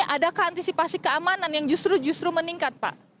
adakah antisipasi keamanan yang justru justru meningkat pak